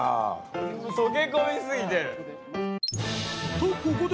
［とここで］